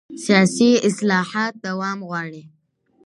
سیاسي اصلاحات دوام غواړي